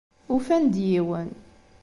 Ufan-d yiwen.